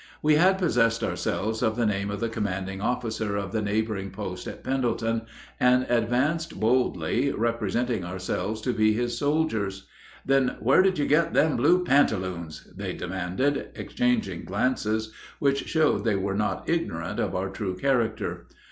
We had possessed ourselves of the name of the commanding officer of the neighboring post at Pendleton, and advanced boldly, representing ourselves to be his soldiers. "Then where did you get them blue pantaloons?" they demanded, exchanging glances, which showed they were not ignorant of our true character.